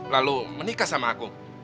lalu menikah sama aku